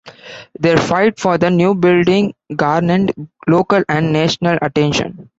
Their fight for the new building garnered local and national attention.